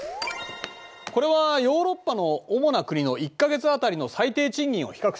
これはヨーロッパの主な国の１か月あたりの最低賃金を比較したものだ。